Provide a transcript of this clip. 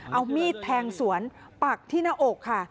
เอามีดแทงสวนปักที่หน้าอกค่ะ